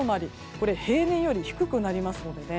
これ平年より低くなりますのでね。